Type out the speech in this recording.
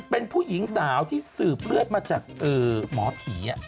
เป็นผู้หญิงสาวที่สืบเลือดมาจากหมอผี